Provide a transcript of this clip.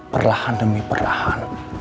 perlahan demi perlahan